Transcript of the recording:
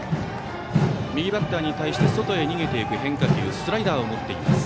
右バッターに対して外に逃げていく変化球スライダーを持っています。